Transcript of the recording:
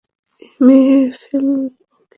এই, মেরে ফেল ওকে!